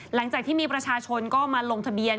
หลังจากที่มีประชาชนก็มาลงทะเบียน